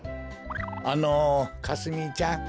あのかすみちゃん。